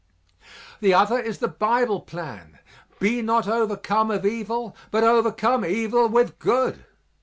The other is the Bible plan "Be not overcome of evil but overcome evil with good."